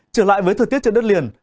trở lại với thời tiết trên đất liền